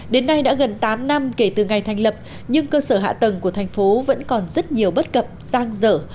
đến nay đã gần tám năm kể từ ngày thành lập nhưng cơ sở hạ tầng của thành phố vẫn còn rất nhiều bất cập giang dở